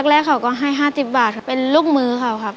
ตอนแรกเขาก็ให้ห้าสิบบาทเป็นลูกมือเขาครับ